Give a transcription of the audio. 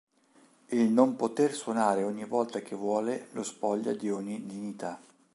Il non poter suonare ogni volta che vuole lo spoglia di ogni dignità.